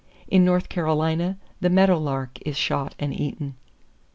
In North Carolina, the meadow lark is shot and eaten.